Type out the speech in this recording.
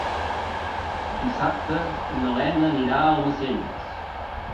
Dissabte na Lena anirà a Almacelles.